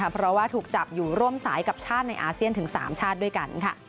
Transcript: เพราะว่าถูกจับอยู่ร่วมสายกับชาติในอาเซียนถึง๓ชาติด้วยกัน